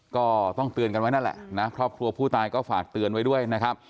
ก็ต้องเตือนกันไว้นั่นแหละนะครอบครัวผู้ตายก็ฝากเตือนไว้ด้วยนะครับ